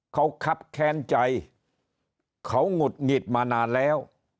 เขาคับแค้นใจเขาหงุดหงิดมานานแล้ว